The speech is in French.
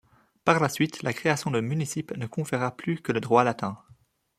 Par la suite la création de municipe ne conféra plus que le droit latin.